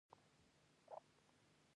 د فیض اباد هوايي ډګر غرنی دی